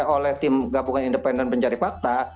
oleh tim gabungan independen pencari fakta